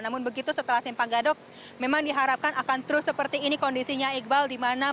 namun begitu setelah simpang gadok memang diharapkan akan terus seperti ini kondisinya iqbal